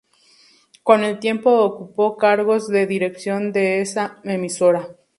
Con el tiempo ocupó cargos de dirección en esta emisora.